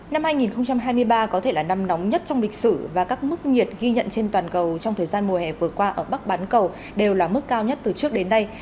năm hai nghìn hai mươi ba có thể là năm nóng nhất trong lịch sử và các mức nhiệt ghi nhận trên toàn cầu trong thời gian mùa hè vừa qua ở bắc bán cầu đều là mức cao nhất từ trước đến nay